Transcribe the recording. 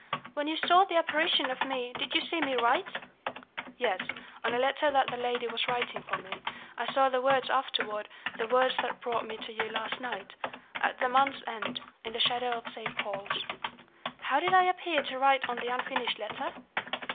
When you saw the apparition of me, did you see me write?" "Yes. On a letter that the lady was writing for me. I saw the words afterward; the words that brought me to you last night: 'At the month's end, In the shadow of Saint Paul's.'" "How did I appear to write on the unfinished letter?"